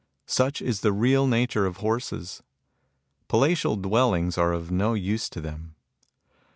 Such is the real nature of horses. Palatial dwellings are of no use to them.